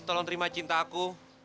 tolong terima cinta aku